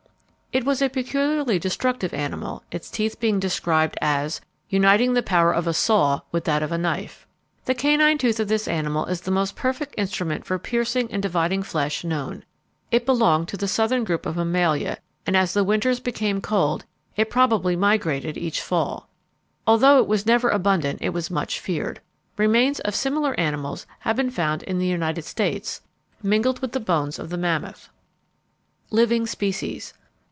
It was a peculiarly destructive animal, its teeth being described as "uniting the power of a saw with that of a knife." The canine tooth of this animal is the most perfect instrument for piercing and dividing flesh known. It belonged to the southern group of mammalia; and, as the winters became cold, it probably migrated each fall. Although it was never abundant it was much feared. Remains of similar animals have been found in the United States mingled with the bones of the mammoth. _Living Species.